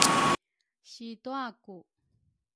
situa ku